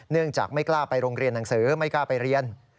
เนื่องจากไม่กล้าไปโรงเรียนหนังสือไม่กล้าไปเรียน